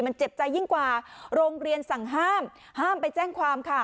มันเจ็บใจยิ่งกว่าโรงเรียนสั่งห้ามห้ามไปแจ้งความค่ะ